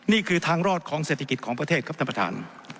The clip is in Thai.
นี่คือทางรอดของเศรษฐกิจของประเทศครับท่านประธาน